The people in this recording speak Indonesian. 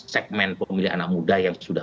segmen pemilih anak muda yang sudah